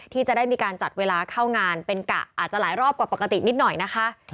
ที่จะได้มีการจัดเวลาเข้างานเป็นกะอาจจะหลายรอบกว่าปกตินิดหน่อยนะคะ